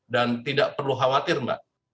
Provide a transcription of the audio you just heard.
dan tidak perlu khawatir mbak